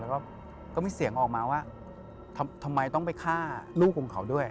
แล้วก็มีเสียงออกมาว่าทำไมต้องไปฆ่าลูกของเขาด้วย